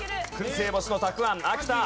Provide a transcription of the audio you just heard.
燻製干しのたくあん秋田。